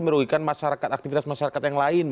merugikan masyarakat aktivitas masyarakat yang lain